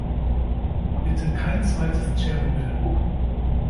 Bitte kein zweites Tschernobyl!